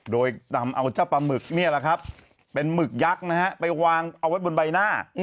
โดยนำเอาเจ้าปลาหมึกเป็นหมึกยักษ์ไปวางเอาไว้บนใบหน้า